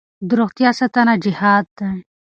د روغتیا ساتنه جهاد دی.